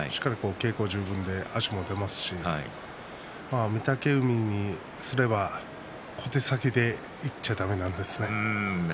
稽古十分で足も出ますし御嶽海にすれば小手先でいっちゃだめなんですね。